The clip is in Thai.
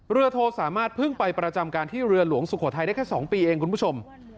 โทสามารถเพิ่งไปประจำการที่เรือหลวงสุโขทัยได้แค่๒ปีเองคุณผู้ชม